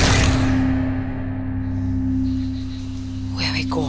keusik mereka akan bos